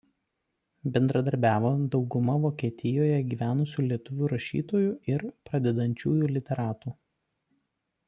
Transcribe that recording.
Bendradarbiavo dauguma Vokietijoje gyvenusių lietuvių rašytojų ir pradedančiųjų literatų.